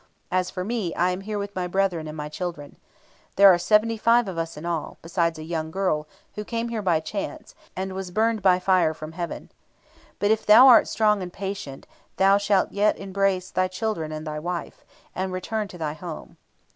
As for me, I am here with my brethren and my children. There are seventy five of us in all, besides a young girl, who came here by chance, and was burned by fire from heaven. But if thou art strong and patient, thou shalt yet embrace thy children and thy wife, and return to thy home.'